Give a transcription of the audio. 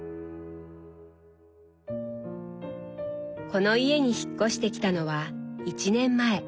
この家に引っ越してきたのは１年前。